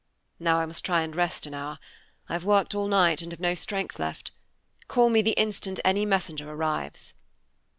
Now I must try and rest an hour; I've worked all night and have no strength left. Call me the instant any messenger arrives."